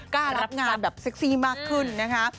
กล้ารับงานแบบเซ็กซี่มากขึ้นนะคะ